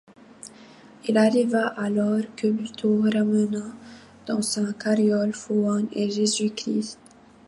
Il arriva alors que Buteau ramena dans sa carriole Fouan et Jésus-Christ.